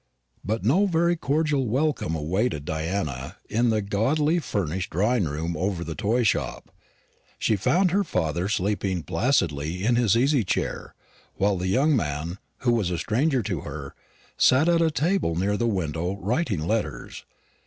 But no very cordial welcome awaited Diana in the gaudily furnished drawing room over the toyshop. She found her father sleeping placidly in his easy chair, while a young man, who was a stranger to her, sat at a table near the window writing letters.